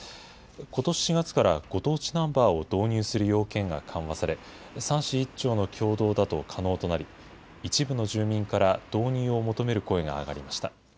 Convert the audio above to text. ことし４月からご当地ナンバーを導入する要件が緩和され、３市１町の共同だと可能となり、一部の住民から導入を求める声が上がりました。